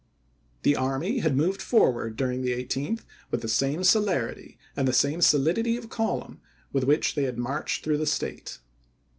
The army had moved forward during the 18th May,i863. with the same celerity and the same solidity of column with which they had marched through the State.